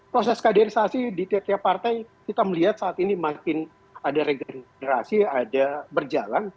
proses kaderisasi di tiap tiap partai kita melihat saat ini makin ada regenerasi ada berjalan